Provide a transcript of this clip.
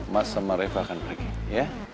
mas sama reva akan pergi ya